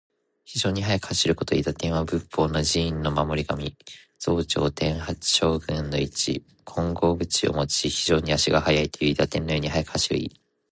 非常に速く走ること。「韋駄天」は仏法・寺院の守り神。増長天八将軍の一。金剛杵をもち、非常に足が速いという。韋駄天のように速く走る意。